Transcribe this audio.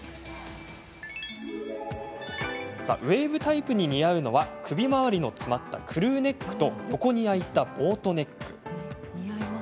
ウエーブタイプに似合うのは首まわりの詰まったクルーネックと横に開いたボートネック。